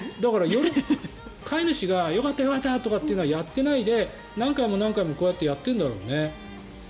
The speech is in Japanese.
飼い主がよかった、よかったというのはやっていないで何回も何回もこうやってやっているんだろうね。